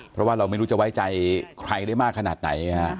เพราะว่าเราไม่รู้จะไว้ใจใครได้มากขนาดไหน